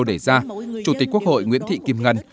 mục tiêu đẩy ra chủ tịch quốc hội nguyễn thị kim ngân